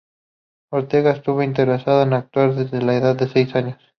Ortega estuvo interesada en actuar desde la edad de seis años.